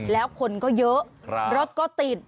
แล้วคนก็เยอะรถก็ติด